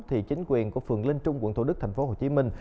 thì chính quyền của phường linh trung quận thủ đức thành phố hồ chí minh